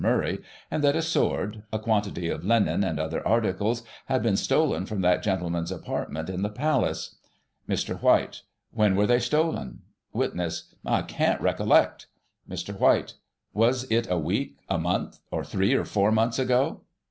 Murray, and that a sword, a quantity of linen and other articles, had been stolen from that gentleman's apart ments in the Palace. Mr. White : When were they stolen } Witness: I can't recollect. Mr. White : Was it a week, a month, or three or four months ago?